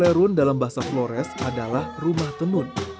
lerun dalam bahasa flores adalah rumah tenun